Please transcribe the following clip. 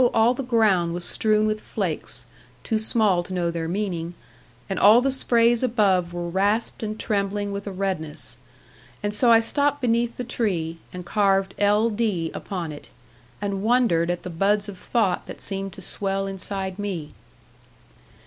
all the ground was strewn with flakes (too small to know their meaning), and all the sprays above were rasped and trembling with a redness. And so I stopped beneath the tree, and carved L.D. upon it, and wondered at the buds of thought that seemed to swell inside me.